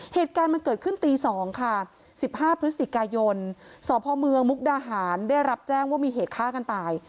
เหตุการณ์มันเกิดขึ้นตี๒ค่ะ๑๕พฤศจิกายนสพเมืองมุกดาหารได้รับแจ้งว่ามีเหตุฆ่ากันตาย